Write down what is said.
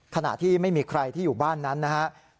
ขณะที่ไม่มีใครที่อยู่บ้านนั้นนะครับ